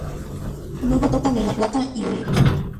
Luego tocan en La Plata y Olivos.